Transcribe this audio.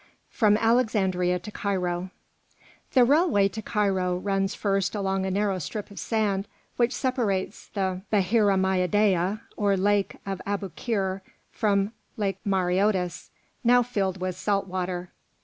FROM ALEXANDRIA TO CAIRO The railway to Cairo runs first along a narrow strip of sand which separates the Baheirehma'adieh, or Lake of Aboukir, from Lake Mareotis, now filled with salt water.